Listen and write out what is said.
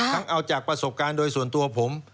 ทั้งเอาจากประสบการณ์โดยส่วนตัวผม